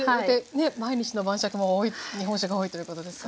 毎日の晩酌も日本酒が多いということですが。